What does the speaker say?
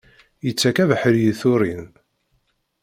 Yettak abeḥri i turin!